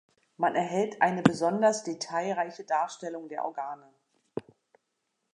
Man erhält eine besonders detailreiche Darstellung der Organe.